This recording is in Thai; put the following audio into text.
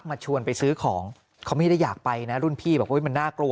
มาชวนไปซื้อของเขาไม่ได้อยากไปนะรุ่นพี่บอกว่ามันน่ากลัว